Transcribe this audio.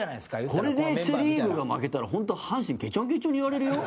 これでセ・リーグが負けたら本当、阪神ケチョンケチョンに言われるよ